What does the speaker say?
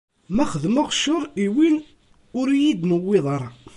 Ma xedmeɣ ccer i win ur iyi-d-newwiḍ ara.